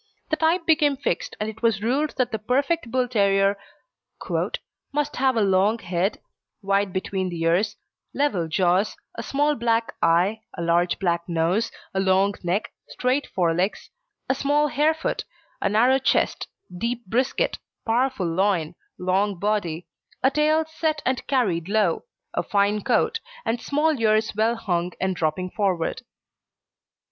The type became fixed, and it was ruled that the perfect Bull terrier "must have a long head, wide between the ears, level jaws, a small black eye, a large black nose, a long neck, straight fore legs, a small hare foot, a narrow chest, deep brisket, powerful loin, long body, a tail set and carried low, a fine coat, and small ears well hung and dropping forward."